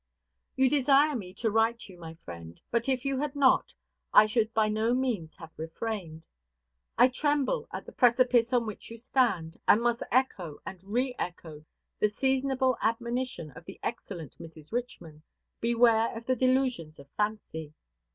You desire me to write to you, my friend; but if you had not, I should by no means have refrained. I tremble at the precipice on which you stand, and must echo and reëcho the seasonable admonition of the excellent Mrs. Richman, "Beware of the delusions of fancy."